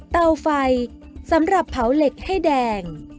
เตาไฟสำหรับเผาเหล็กให้แดง